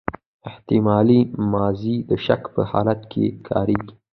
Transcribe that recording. احتمالي ماضي د شک په حالت کښي کاریږي.